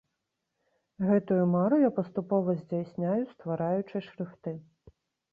Гэтую мару я паступова здзяйсняю, ствараючы шрыфты.